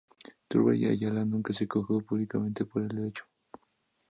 Turbay Ayala nunca se quejó públicamente por el hecho.